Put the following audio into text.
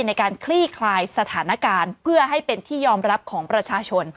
คลี่คลายสถานการณ์เพื่อให้เป็นที่ยอมรับของประชาชน